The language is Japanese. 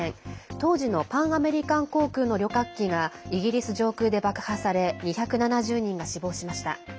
当時のパンアメリカン航空の旅客機がイギリス上空で爆破され２７０人が死亡しました。